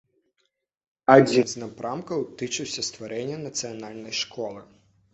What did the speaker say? Адзін з напрамкаў тычыўся стварэння нацыянальнай школы.